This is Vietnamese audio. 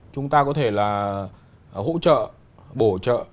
chúng ta có thể là hỗ trợ bổ trợ